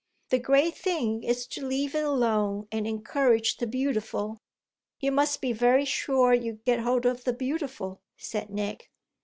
The great thing is to leave it alone and encourage the beautiful." "You must be very sure you get hold of the beautiful," said Nick.